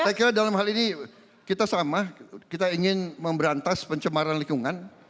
saya kira dalam hal ini kita sama kita ingin memberantas pencemaran lingkungan